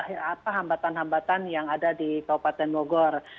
ini barangkali hambatan hambatan yang ada di kabupaten bogor